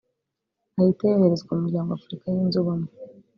ahite yoherezwa mu muryango wa Afurika yunze ubumwe